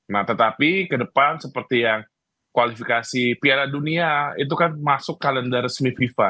nah tetapi ke depan seperti yang kualifikasi piala dunia itu kan masuk kalender resmi fifa